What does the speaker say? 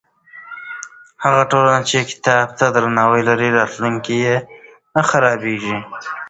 هغه ټولنه چې کتاب ته درناوی لري، راتلونکی یې نه خرابېږي.